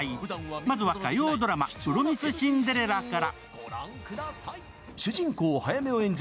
まずは火曜ドラマ「プロミス・シンデレラ」から。